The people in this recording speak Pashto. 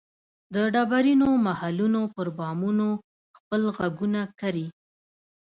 د ډبرینو محلونو پر بامونو خپل ږغونه کري